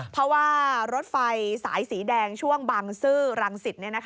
เพราะว่ารถไฟสายสีแดงช่วงบางซื่อรังสิต